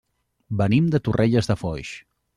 Venim de Torrelles de Foix.